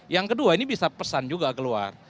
yang kedua ini bisa pesan juga keluar